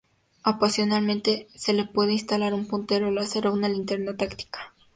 Opcionalmente, se le puede instalar un puntero láser o una linterna táctica.